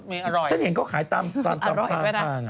มันมีอร่อยฉันเห็นเขาขายตามด้านข้าง